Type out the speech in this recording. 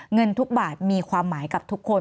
เงินทุกบาทมีความหมายกับทุกคน